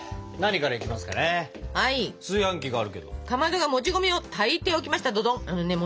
かまどがもち米を炊いておきましたどどん！